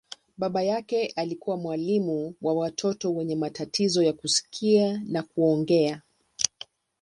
Baba yake alikuwa mwalimu wa watoto wenye matatizo ya kusikia na kuongea.